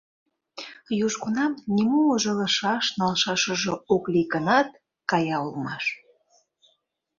Южгунам нимо ужалышаш, налшашыже ок лий гынат, кая улмаш.